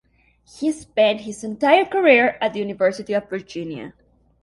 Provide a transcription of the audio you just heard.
He spent his entire career at the University of Virginia.